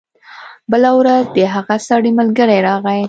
بله ورځ د هغه سړي ملګری راغی.